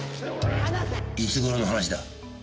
いつ頃の話だ？